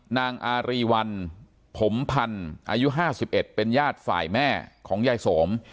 นางอารีวัลผมพันอายุห้าสิบเอ็ดเป็นญาติฝ่ายแม่ของยายสม